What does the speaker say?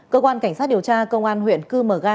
cơ quan cảnh sát điều tra công an huyện cư mờ ga